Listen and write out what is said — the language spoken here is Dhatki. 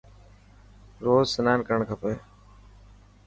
روز سنان ڪرڻ کپي.